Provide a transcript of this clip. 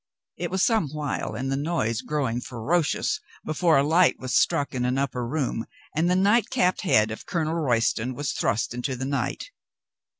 It was some while, and the noise growing fero cious, before a light was struck in an upper room, and the night capped head of Colonel Royston was thrust into the night.